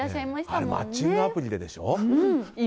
あれマッチングアプリででしょ。